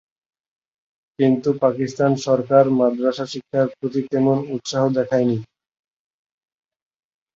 কিন্তু পাকিস্তান সরকার মাদ্রাসা শিক্ষার প্রতি তেমন উৎসাহ দেখায়নি।